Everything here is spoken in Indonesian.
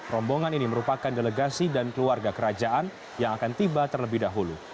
rombongan ini merupakan delegasi dan keluarga kerajaan yang akan tiba terlebih dahulu